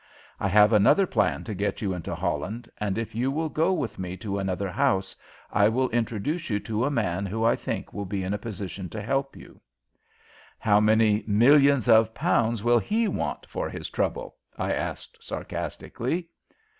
I have another plan to get you into Holland, and if you will go with me to another house I will introduce you to a man who I think will be in a position to help you." "How many millions of pounds will he want for his trouble?" I asked, sarcastically.